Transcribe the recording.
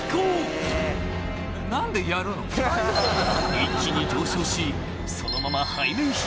［一気に上昇しそのまま背面飛行］